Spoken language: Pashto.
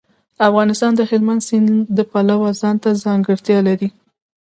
افغانستان د هلمند سیند د پلوه ځانته ځانګړتیا لري.